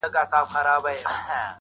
نه درك وو په ميدان كي د ټوكرانو٫